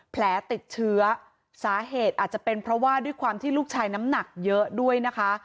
แผลติดเชื้อสาเหตุอาจจะเป็นเพราะว่าด้วยความที่ลูกชายน้ำหนักเยอะด้วยนะคะ